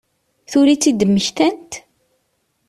Tura i tt-id-mmektant?